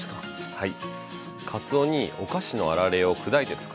はい。